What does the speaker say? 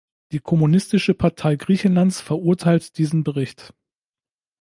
Die Kommunistische Partei Griechenlands verurteilt diesen Bericht.